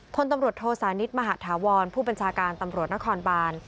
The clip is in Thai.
พลตำรวจโทสานิทมหาธาวรผู้บัญชาการตำรวจนครบาน